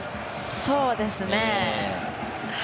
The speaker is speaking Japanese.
そうですね。